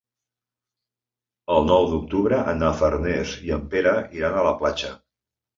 El nou d'octubre na Farners i en Pere iran a la platja.